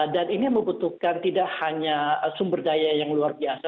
dan ini membutuhkan tidak hanya sumber daya yang luar biasa